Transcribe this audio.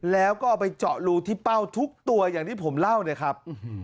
แล้วก็เอาไปเจาะรูที่เป้าทุกตัวอย่างที่ผมเล่าเนี่ยครับ